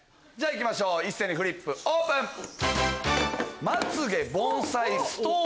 じゃあ行きましょう一斉にフリップオープン！